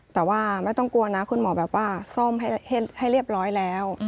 แต่ว่าไม่ต้องกลัวนะคุณหมอแบบว่าซ่อมให้เรียบร้อยแล้ว